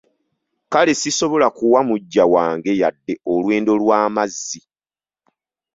Kale sisobola kuwa muggya wange yadde olwendo lw'amazzi.